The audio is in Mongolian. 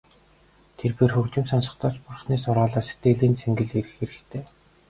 Тэрбээр хөгжим сонсохдоо ч Бурханы сургаалаас сэтгэлийн цэнгэл эрэх хэрэгтэй.